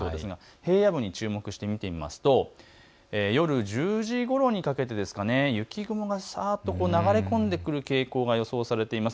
平野部に注目して見てみますと夜１０時ごろにかけて雪雲がさっと流れ込んでくる傾向が予想されています。